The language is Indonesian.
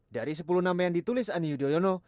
dari sepuluh nama yang ditulis ani yudhoyono